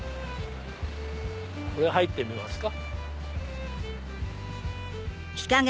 これ入ってみますか。